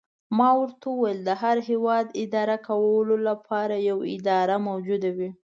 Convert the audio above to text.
ما ورته وویل: د هر هیواد اداره کولو لپاره یوه اداره موجوده وي.